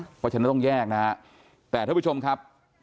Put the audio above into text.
เพราะฉะนั้นต้องแยกนะฮะแต่ท่านผู้ชมครับ